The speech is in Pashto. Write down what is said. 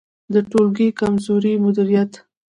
د ټولګي کمزوری مدیریت